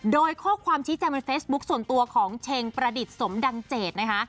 โดยข้อความชี้แจงบนเฟซบุ๊คส่วนตัวของเชงประดิษฐ์สมดังเจตนะคะ